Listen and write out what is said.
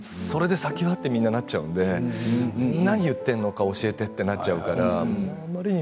それで、先は？とみんななっちゃうので、何を言っているのか教えて、となっちゃうから。